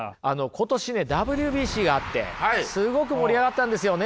今年ねＷＢＣがあってすごく盛り上がったんですよね